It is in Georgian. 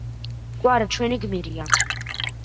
კვარა ჩვენი გმირია